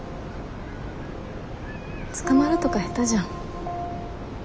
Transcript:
捕まるとか下手じゃん。